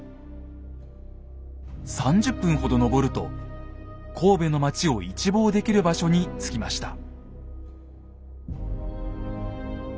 ３０分ほど登ると神戸の街を一望できる場所に着きました。